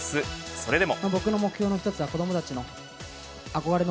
それでも。